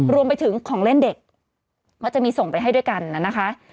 รวมไปถึงของเล่นเด็กมักจะมีส่งไปให้ด้วยกันนะคะ